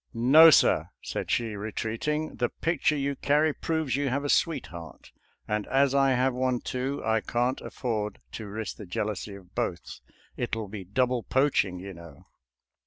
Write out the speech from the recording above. " No, sir," said she, retreating. " The picture you carry proves you have a sweetheart, and as I have one too, I can't afford to risk the jeal ousy of both — it'll be double poaching, you know."